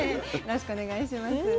よろしくお願いします。